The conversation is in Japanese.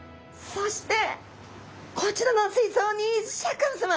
そしてこちらの水槽にシャーク香音さま